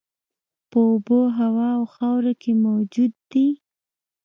په اوبو، هوا او خاورو کې موجود دي.